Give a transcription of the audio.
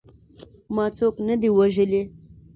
ما څوک نه دي وژلي.